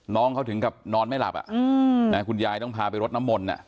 น้องเขาถึงกับนอนไม่หลับคุณยายต้องพาไปรดน้ำมนต์